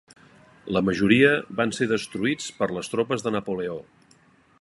La majoria van ser destruïts per les tropes de Napoleó.